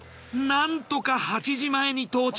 なんとか８時前に到着。